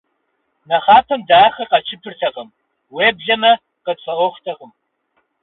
Нэхъапэм дэ ахэр къэтщыпыртэкъым, уеблэмэ къытфӏэӏуэхутэкъым.